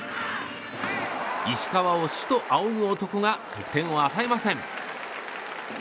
石川を師と仰ぐ男が得点を与えません。